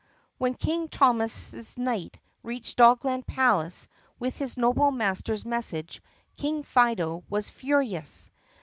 When King Thomas's knight reached Dogland Palace with his noble master's message King Fido was furious.